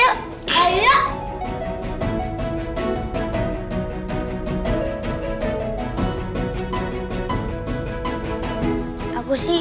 ketika kita berdua kita bisa mengambil makanan tradisional